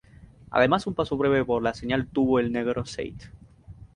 Además un paso breve por la señal tuvo el Negro Said.